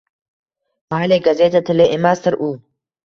Mayli, gazeta tili emasdir u.